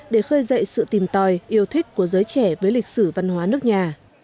để khơi dậy sự tìm tòi yêu thích của giới trẻ với lịch sử văn hóa nước nhà